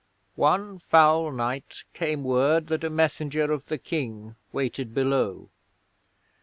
'One foul night came word that a messenger of the King waited below.